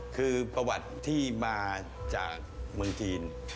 คือประวัติที่มาจากเมืองจีน